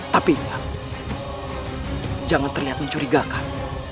tapi jangan terlihat mencurigakan